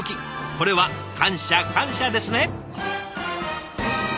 これは感謝感謝ですね。